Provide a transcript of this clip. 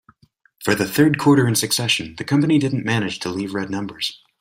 For the third quarter in succession, the company didn't manage to leave red numbers.